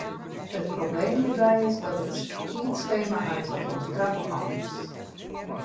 It probleem hjirby is dat it tiidskema eins wat oan de krappe kant is.